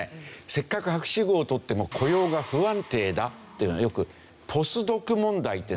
せっかく博士号を取っても雇用が不安定だというのはよく「ポスドク問題」って言うんですね。